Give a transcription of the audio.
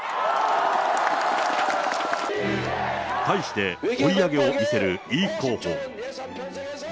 対して、追い上げを見せるイ候補。